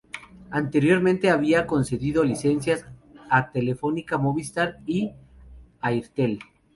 Anteriormente había concedido licencias a Telefónica Movistar y a Airtel.